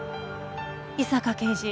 井坂刑事。